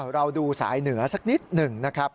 เราดูสายเหนือสักนิดหนึ่งนะครับ